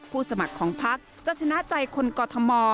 ผู้สมัครของภักษ์จะชนะใจคนกอทม